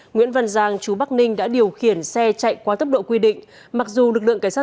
nguyễn văn giang chú bắc ninh đã điều khiển xe chạy quá tốc độ quy định mặc dù lực lượng cảnh sát